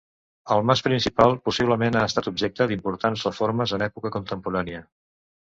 El mas principal possiblement ha estat objecte d'importants reformes en època contemporània.